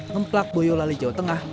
ngeplak boyolali jawa tengah